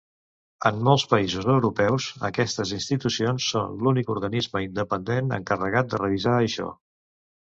En molts països europeus, aquestes institucions són l'únic organisme independent encarregat de revisar això.